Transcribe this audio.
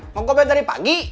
mau kopi dari pagi